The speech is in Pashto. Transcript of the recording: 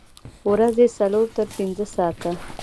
ورځې څلور تر پنځه ساعته